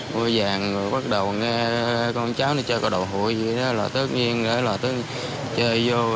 mua vàng rồi bắt đầu nghe con cháu nó chơi có đồ hụi gì đó là tất nhiên là chơi vô